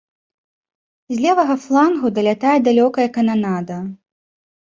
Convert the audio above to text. З левага флангу далятае далёкая кананада.